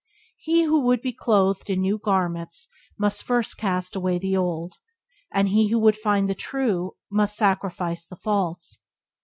He who would be clothed in new garments must first cast away the old, and he who would find the True must sacrifice the false.